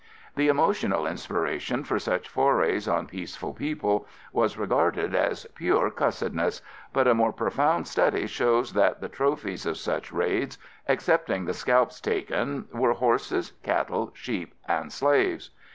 The emotional inspiration for such forays on peaceful people was regarded as pure cussedness, but a more profound study shows that the trophies of such raids, excepting the scalps taken, were horses, cattle, sheep and slaves.